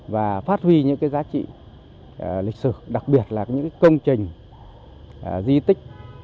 và phát huy những giá trị lịch sử đặc biệt là những công trình di tích